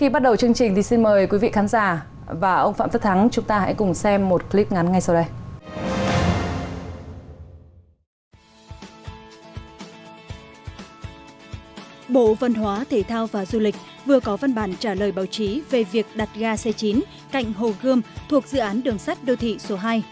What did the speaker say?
bộ văn hóa thể thao và du lịch vừa có văn bản trả lời báo chí về việc đặt ga xe chín cạnh hồ gươm thuộc dự án đường sắt đô thị số hai